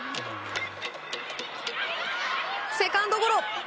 セカンドゴロ。